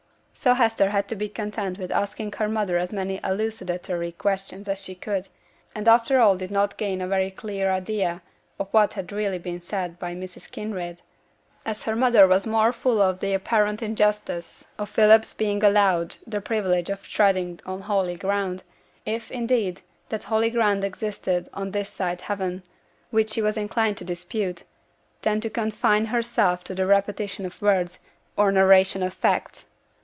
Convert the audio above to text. So Hester had to be content with asking her mother as many elucidatory questions as she could; and after all did not gain a very clear idea of what had really been said by Mrs. Kinraid, as her mother was more full of the apparent injustice of Philip's being allowed the privilege of treading on holy ground if, indeed, that holy ground existed on this side heaven, which she was inclined to dispute than to confine herself to the repetition of words, or narration of facts.